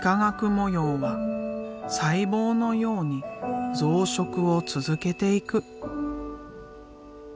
模様は細胞のように増殖を続けていく。